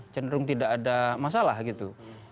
cenderung tidak ada masalah gitu